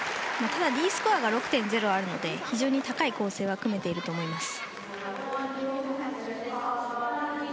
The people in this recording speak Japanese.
ただ、Ｄスコアが６．０あるので非常に高い構成は組めていると思います。